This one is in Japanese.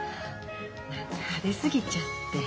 何か派手すぎちゃって。